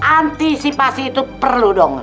antisipasi itu perlu dong